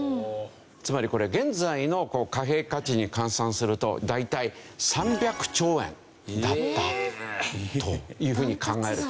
つまりこれ現在の貨幣価値に換算すると大体３００兆円だったという風に考えられる。